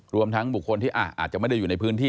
รวมทั้งบุคคลที่อาจจะไม่ได้อยู่ในพื้นที่